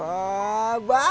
wah bagus ya